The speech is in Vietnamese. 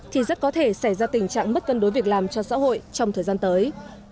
thì rất có thể xảy ra tình trạng mất cân đối việc làm cho xã hội trong thời gian tới